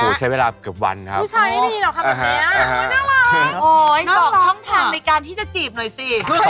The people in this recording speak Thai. อูหู้ใช่เวลาเกือบวันครับ